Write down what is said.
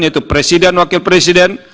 yaitu presiden wakil presiden